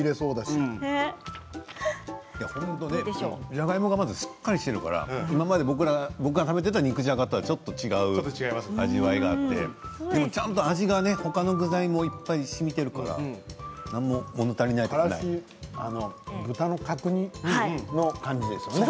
じゃがいもがまずしっかりしているから今まで僕が食べていた肉じゃがとちょっと違う味わいがあってでも、ちゃんと味が他の具材もいっぱいしみているから豚の角煮の感じですね。